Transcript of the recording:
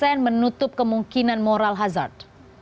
menutup kemungkinan moral hazard